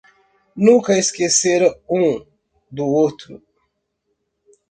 Nunca esqueceram um do outro